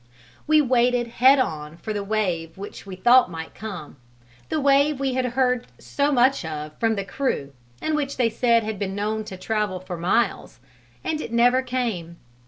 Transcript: We waited head on for the wave which we thought might come the wave we had heard so much of from the crew and which they said had been known to travel for miles and it never came.